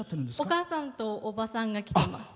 お母さんとおばさんが来てます。